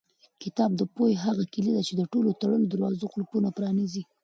کتاب د پوهې هغه کلۍ ده چې د ټولو تړلو دروازو قلفونه پرانیزي.